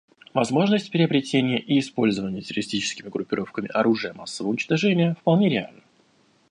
Возможность приобретения и использования террористическими группировками оружия массового уничтожения вполне реальна.